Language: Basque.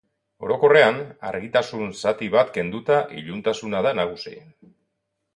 Orokorrean, argitasun zati bat kenduta iluntasuna da nagusi.